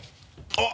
あっ！